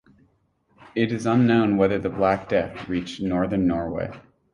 It is unknown whether the Black Death reached Northern Norway.